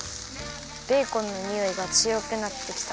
ベーコンのにおいがつよくなってきた。